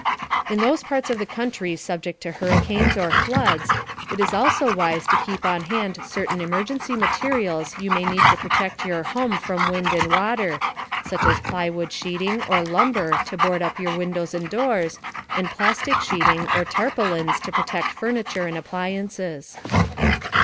In those parts of the country subject to hurricanes or floods, it is also wise to keep on hand certain emergency materials you may need to protect your home from wind and water such as plywood sheeting or lumber to board up your windows and doors, and plastic sheeting or tarpaulins to protect furniture and appliances.